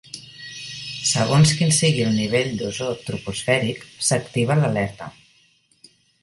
Segons quin sigui el nivell d'ozó troposfèric, s'activa l'alerta.